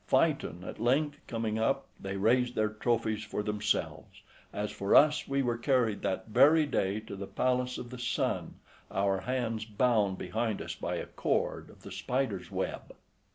Phaeton at length coming up, they raised other trophies for themselves; as for us, we were carried that very day to the palace of the Sun, our hands bound behind us by a cord of the spider's web.